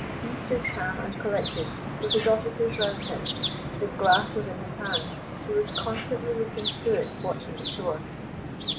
He stood calm and collected, with his officers round him. His glass was in his hand; he was constantly looking through it watching the shore.